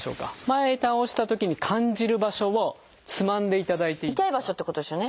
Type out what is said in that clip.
前へ倒したときに感じる場所をつまんでいただいていいですか。